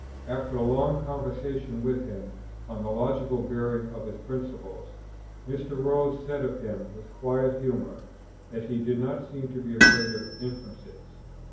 After a long conversation with him on the logical bearing of his principles, Mr. Rose said of him with quiet humour, that "he did not seem to be afraid of inferences."